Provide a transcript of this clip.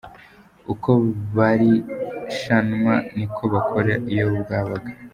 Uko barishanwa niko bakora iyo bwabaga.